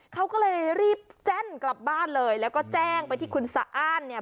เขาก็เลยรีบแจ้นกลับบ้านเลยแล้วก็แจ้งไปที่คุณสะอ้านเนี่ย